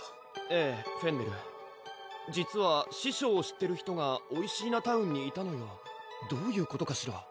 ええフェンネル実は師匠を知ってる人がおいしーなタウンにいたのよどういうことかしら？